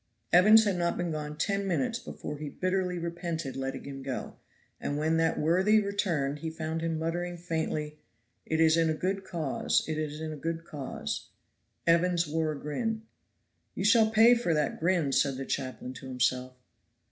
Evans had not been gone ten minutes before he bitterly repented letting him go, and when that worthy returned he found him muttering faintly, "It is in a good cause it is in a good cause " Evans wore a grin. "You shall pay for that grin," said the chaplain to himself.